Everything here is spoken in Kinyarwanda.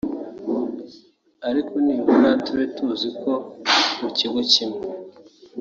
ariko nibura tube tuzi ko mu kigo kimwe